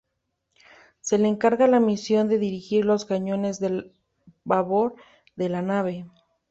Se le encarga la misión de dirigir los cañones de babor de la nave.